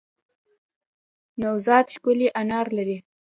نوزاد ښکلی انار لری